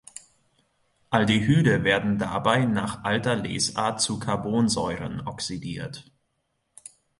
Aldehyde werden dabei nach alter Lesart zu Carbonsäuren oxidiert.